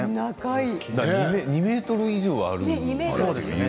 ２ｍ以上ありそうですね。